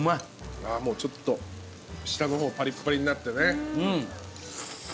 ちょっと下の方パリパリになってね。